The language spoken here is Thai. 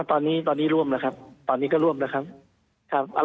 ตอนนี้ตอนนี้ร่วมแล้วครับตอนนี้ก็ร่วมแล้วครับ